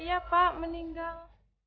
iya pak meninggal